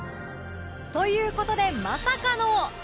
という事でまさかの